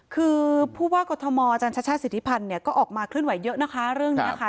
คือพูดว่ากฏมจันทร์ชาติสิทธิพันธ์เนี่ยก็ออกมาคลื่นไหวเยอะนะคะเรื่องนี้นะคะ